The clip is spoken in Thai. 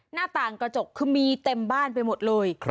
หน้าต่างกระจกคือมีเต็มบ้านไปหมดเลย